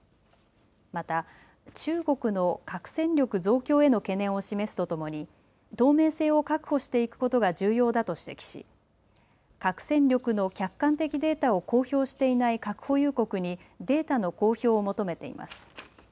また、中国の核戦力増強への懸念を示すとともに、透明性を確保していくことが重要だと指摘し、核戦力の客観的データを公表していない核保有国に、データの公表を求めています。